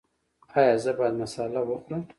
ایا زه باید مساله وخورم؟